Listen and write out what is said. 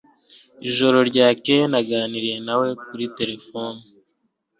Ijoro ryakeye naganiriye nawe kuri terefone